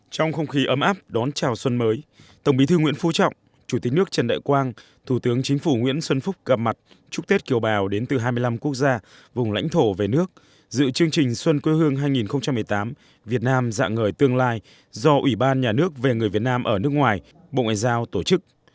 trong không khí ấm áp đón chào xuân mới tổng bí thư nguyễn phú trọng chủ tịch nước trần đại quang thủ tướng chính phủ nguyễn xuân phúc gặp mặt chúc tết kiều bào đến từ hai mươi năm quốc gia vùng lãnh thổ về nước dự chương trình xuân quê hương hai nghìn một mươi tám việt nam dạng người tương lai do ủy ban nhà nước về người việt nam ở nước ngoài bộ ngoại giao tổ chức